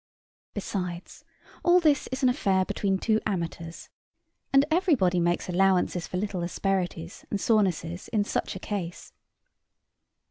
Besides, all this is an affair between two amateurs, and every body makes allowances for little asperities and sorenesses in such a case.